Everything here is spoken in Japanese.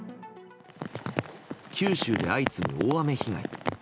九州で相次ぐ大雨被害。